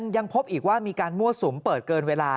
ยังพบอีกว่ามีการมั่วสุมเปิดเกินเวลา